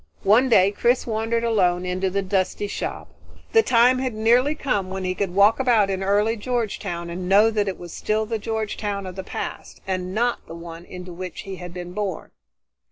One day Chris wandered alone into the dusty shop. The time had nearly come when he could walk about in early Georgetown and know that it would still be the Georgetown of the past, and not the one into which he had been born.